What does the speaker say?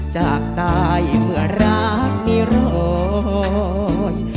จากตายเมื่อรักมีรอย